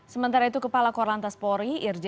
sementara itu kepala korlantas polri irjen